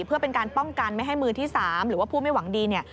เพื่อเป็นการป้องกันไม่ให้มือที่๓หรือว่าผู้ไม่หวังดีเนี่ย